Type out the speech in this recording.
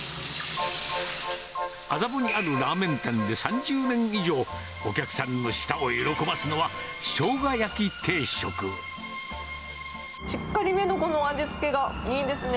麻布にあるラーメン店で３０年以上、お客さんの舌を喜ばすのは、しっかりめのこの味付けがいいですね。